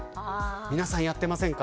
皆さん、やっていませんか。